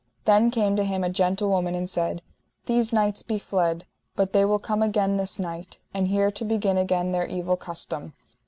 Then came to him a gentlewoman and said: These knights be fled, but they will come again this night, and here to begin again their evil custom.